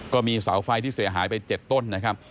ก็มีเสาไฟที่เสียหายไป๗ต้นนะครับ